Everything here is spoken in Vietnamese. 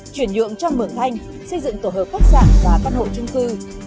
chuyển nhượng cho mường thanh xây dựng tổ hợp khách sạn và căn hộ trung cư